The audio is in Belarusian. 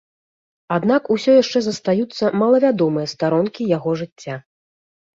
Аднак усё яшчэ застаюцца малавядомыя старонкі яго жыцця.